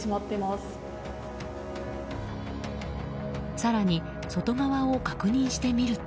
更に外側を確認してみると。